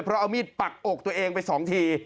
เพราะเอามีดปักอกตัวเองไป๒ที